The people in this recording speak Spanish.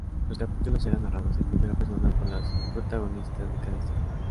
Los capítulos eran narrados en primera persona por las protagonistas de cada historia.